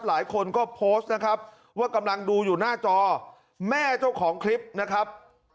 หลายคนก็โพสต์นะครับว่ากำลังดูอยู่หน้าจอแม่เจ้าของคลิปนะครับ